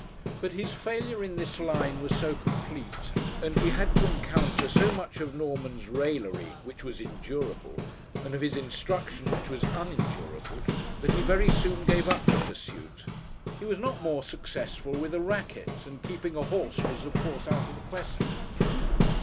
But his failure in this line was so complete, and he had to encounter so much of Norman's raillery, which was endurable, and of his instruction, which was unendurable, that he very soon gave up the pursuit. He was not more successful with a racket; and keeping a horse was of course out of the question.